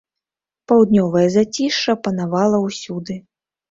Паўднёвае зацішша панавала ўсюды.